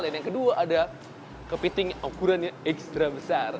dan yang kedua ada kepiting ukurannya ekstra besar